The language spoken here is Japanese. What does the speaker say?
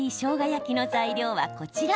焼きの材料はこちら。